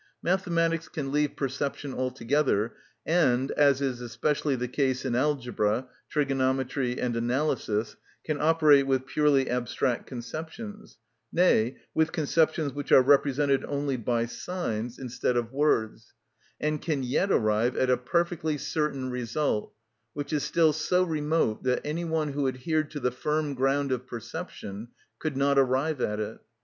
Mathematics can leave perception altogether, and, as is especially the case in algebra, trigonometry, and analysis, can operate with purely abstract conceptions, nay, with conceptions which are represented only by signs instead of words, and can yet arrive at a perfectly certain result, which is still so remote that any one who adhered to the firm ground of perception could not arrive at it.